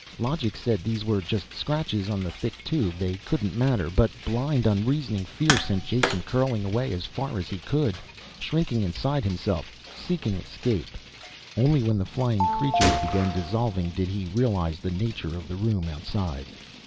Logic said these were just scratches on the thick tube. They couldn't matter. But blind, unreasoning fear sent Jason curling away as far as he could. Shrinking inside himself, seeking escape. Only when the flying creature began dissolving did he realize the nature of the room outside.